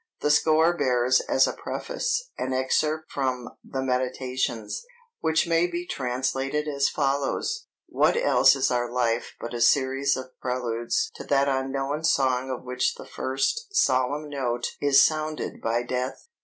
The score bears as a preface an excerpt from the Méditations, which may be translated as follows: "What else is our life but a series of preludes to that unknown song of which the first solemn note is sounded by death?